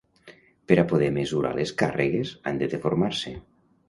Per a poder mesurar les càrregues, han de deformar-se.